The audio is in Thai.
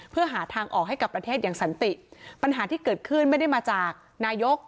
เพื่อหาทางออกให้กับประเทศอย่างสันติปัญหาที่เกิดขึ้นไม่ได้มาจากนายก